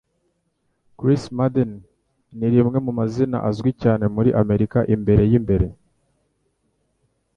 Chris Madden ni rimwe mu mazina azwi cyane muri Amerika imbere yimbere.